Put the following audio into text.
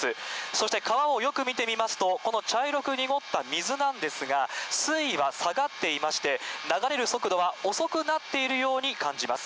そして川をよく見てみますと、この茶色く濁った水なんですが、水位は下がっていまして、流れる速度は遅くなっているように感じます。